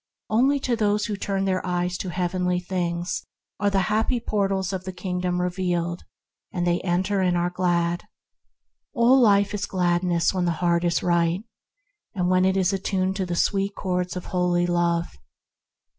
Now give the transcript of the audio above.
Only to those who turn their eyes to heavenly things, their ears to heavenly sounds, are the happy Portals of the Kingdom revealed, and they enter and are glad. All life is gladness when the heart is right, when it is attuned to the sweet chords of holy Love.